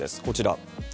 こちら。